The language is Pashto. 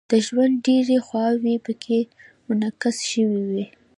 د ژوند ډیرې خواوې پکې منعکس شوې وي.